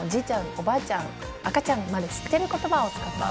おばあちゃん赤ちゃんまで知ってる言葉を使った方が。